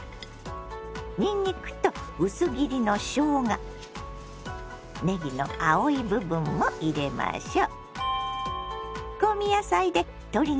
にんにくと薄切りのしょうがねぎの青い部分も入れましょう。